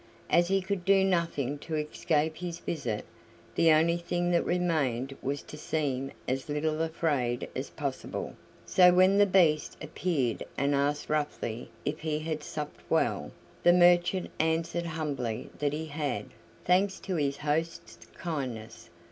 As he could do nothing to escape his visit, the only thing that remained was to seem as little afraid as possible; so when the Beast appeared and asked roughly if he had supped well, the merchant answered humbly that he had, thanks to his host's kindness.